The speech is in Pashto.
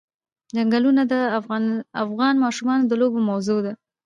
چنګلونه د افغان ماشومانو د لوبو موضوع ده.